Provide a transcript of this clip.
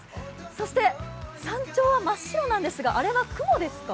そして山頂は真っ白なんですがあれは雲ですか？